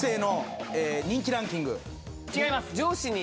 違います。